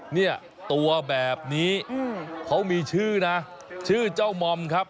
เนี่ยตัวแบบนี้เขามีชื่อนะชื่อเจ้ามอมครับ